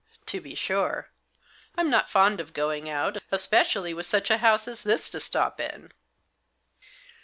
To be sure. I'm not fond of going out — especially with such a house as this to stop in.